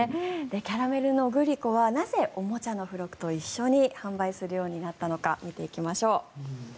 キャラメルのグリコはなぜ、おもちゃの付録と一緒に販売するようになったのか見ていきましょう。